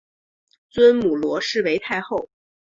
尊母罗氏为太后。